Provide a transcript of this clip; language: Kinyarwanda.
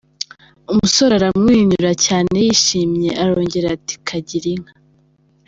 Umusore aramwenyura cyane yishimye, arongera ati “kagire inka !”.